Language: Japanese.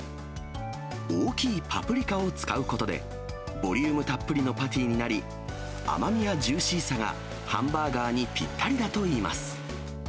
大きいパプリカを使うことで、ボリュームたっぷりのパティになり、甘みやジューシーさがハンバーガーにぴったりだといいます。